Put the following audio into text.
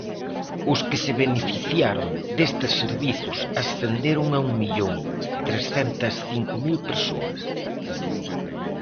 Os que se beneficiaron destes servizos ascenderon a un millón, trescentas cinco mil persoas.